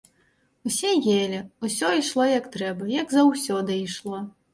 Усе елі, усё ішло як трэба, як заўсёды ішло.